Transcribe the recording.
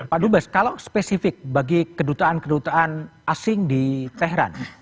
pak dubes kalau spesifik bagi kedutaan kedutaan asing di tehran